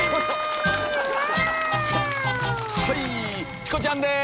はいチコちゃんです。